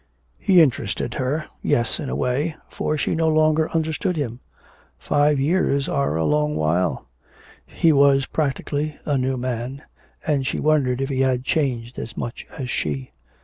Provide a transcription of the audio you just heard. He interested her, yes, in a way, for she no longer understood him. Five years are a long while; he was practically a new man; and she wondered if he had changed as much as she.